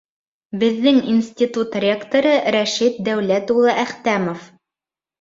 Беҙҙең институт ректоры Рәшит Дәүләт улы Әхтәмов.